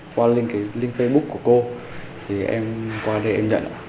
trên link facebook của cô em qua đây em nhận